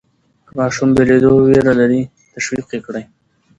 که ماشوم بېلېدو وېره لري، تشویق یې کړئ.